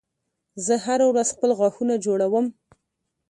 زه هره ورځ خپل غاښونه جوړوم